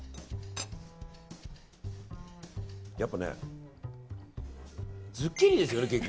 やっぱね、ズッキーニですよね結局。